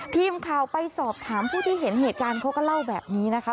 ทีมข่าวไปสอบถามผู้ที่เห็นเหตุการณ์เขาก็เล่าแบบนี้นะคะ